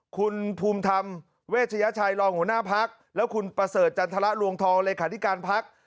คุณภูมิธรรมเวชยาชัยรองหัวหน้าพักษ์และคุณปเศรษฐ์จันทรลวงธรรมราคาธิการพักษ์